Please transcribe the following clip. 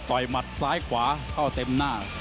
หมัดซ้ายขวาเข้าเต็มหน้า